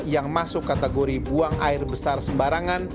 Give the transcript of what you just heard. yang masuk kategori buang air besar sembarangan